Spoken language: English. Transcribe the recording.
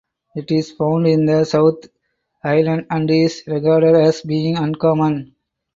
It is found in the South Island and is regarded as being uncommon.